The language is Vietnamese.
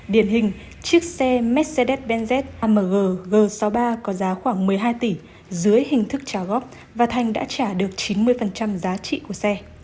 điển hình chiếc xe mercedes benzet amg g sáu mươi ba có giá khoảng một mươi hai tỷ dưới hình thức trả góp và thành đã trả được chín mươi giá trị của xe